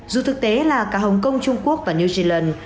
dù thực tế là cả hồng kông trung quốc và new zealand